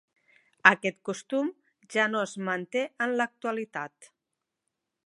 Aquest costum ja no es manté en l'actualitat.